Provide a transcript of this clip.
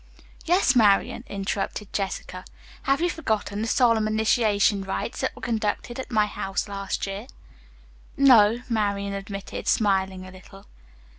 "Yes, Marian," interrupted Jessica, "have you forgotten the solemn initiation rites that were conducted at my house last year?" "No," Marian admitted, smiling a little.